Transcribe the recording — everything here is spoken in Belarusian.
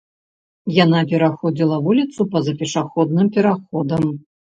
Яна пераходзіла вуліцу па-за пешаходным пераходам.